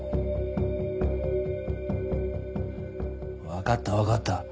わかったわかった。